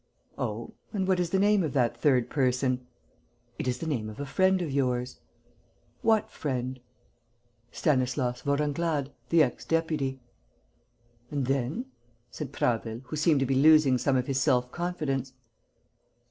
"Oh? And what is the name of that third person?" "It is the name of a friend of yours." "What friend?" "Stanislas Vorenglade, the ex deputy." "And then?" said Prasville, who seemed to be losing some of his self confidence.